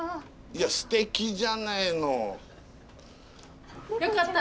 いやすてきじゃないの。